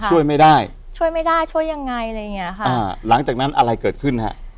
ช่วยไม่ได้ช่วยไม่ได้ช่วยยังไงอะไรอย่างเงี้ยค่ะอ่าหลังจากนั้นอะไรเกิดขึ้นฮะ